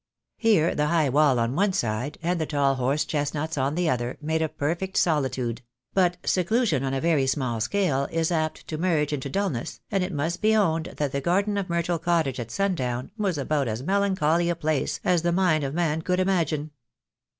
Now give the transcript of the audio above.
Here the high wall on one side, and the tall horse chestnuts on the other, made a perfect solitude; but seclusion on a very small scale is apt to merge into dul ness, and it must be owned that the garden of Myrtle Cottage at sundown was about as melancholy a place as the mind of man could imagine.